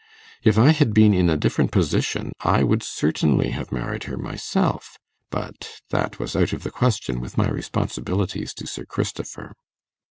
If I had been in a different position, I would certainly have married her myself: hut that was out of the question with my responsibilities to Sir Christopher.